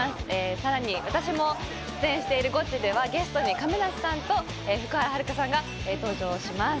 さらに私も出演しているゴチではゲストに亀梨さんと福原遥さんが登場します。